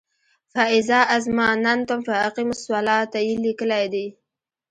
"فاذا اظماننتم فاقیموالصلواته" یې لیکلی دی.